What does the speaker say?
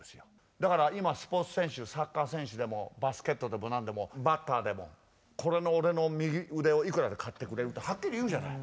だから今スポーツ選手サッカー選手でもバスケットでも何でもバッターでも「俺の右腕をいくらで買ってくれる？」ってはっきり言うじゃない。